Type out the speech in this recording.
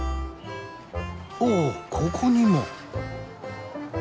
おおここにも。